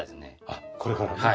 あっこれからね。